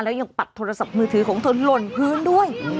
แล้วยังปัดโทรศัพท์มือถือของเธอหล่นพื้นด้วย